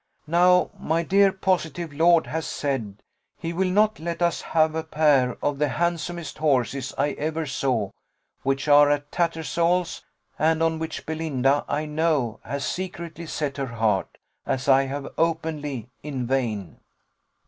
Now my dear positive lord has said he will not let us have a pair of the handsomest horses I ever saw, which are at Tattersal's, and on which Belinda, I know, has secretly set her heart, as I have openly, in vain."